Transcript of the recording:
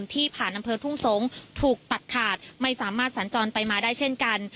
ที่ผ่านอำเภอทุ่งสงศ์ถูกตัดขาดไม่สามารถสัญจรไปมาได้เช่นกัน